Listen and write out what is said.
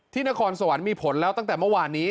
ที่นครสวรรค์มีผลแล้วตั้งแต่วันวานนี้